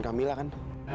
bukan camilla kan